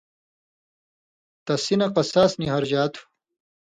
تسی نہ قِصاص نی ہرژا تُھُو